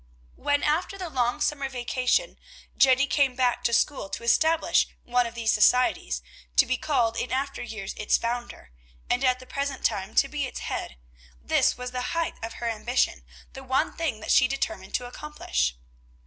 When, after the long summer vacation, Jenny came back to school to establish one of these societies, to be called in after years its founder, and at the present time to be its head, this was the height of her ambition, the one thing that she determined to accomplish.